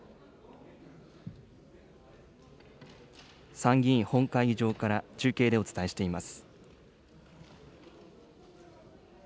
参議院本会議場から中継でお伝えしています。